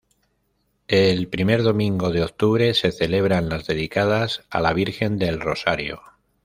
El primer domingo de octubre se celebran las dedicadas a la virgen del Rosario.